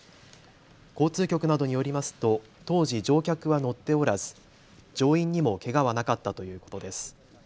交通局などによりますと当時、乗客は乗っておらず乗員にもけがはなかったということです。